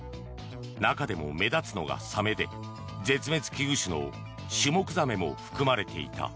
中でも目立つのがサメで絶滅危惧種のシュモクザメも含まれていた。